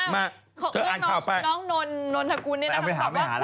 มาขออภัยน้องนนนนทกุลนี่นะขอบพบว่า